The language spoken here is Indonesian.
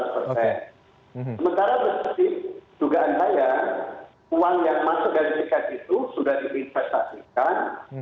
sementara seperti dugaan saya uang yang masuk dari tiket itu sudah diinvestasikan